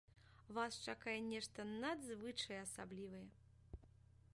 Вас чакае нешта надзвычай асаблівае!